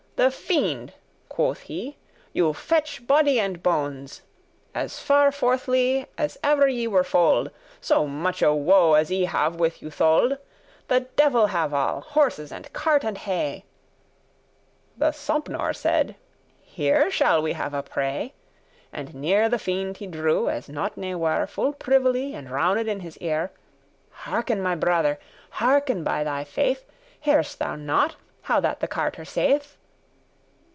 The fiend (quoth he) you fetch body and bones, As farforthly* as ever ye were foal'd, *sure So muche woe as I have with you tholed.* *endured <11> The devil have all, horses, and cart, and hay." The Sompnour said, "Here shall we have a prey," And near the fiend he drew, *as nought ne were,* *as if nothing Full privily, and rowned* in his ear: were the matter* "Hearken, my brother, hearken, by thy faith, *whispered Hearest thou not, how that the carter saith?